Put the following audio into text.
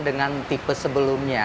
dengan tipe sebelumnya